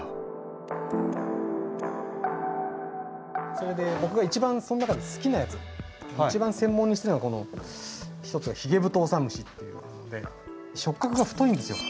それで僕が一番その中で好きなやつ一番専門にしてるのがこの一つがヒゲブトオサムシっていうので触角が太いんですよ。